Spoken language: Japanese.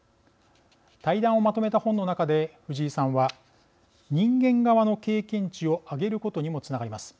対談をまとめた本の中で藤井さんは「人間側の経験値を上げることにもつながります。